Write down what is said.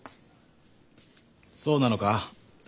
そうなのか？